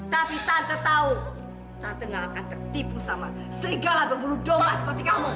tapi tante tahu tante gak akan tertipu sama segala berburu domba seperti kamu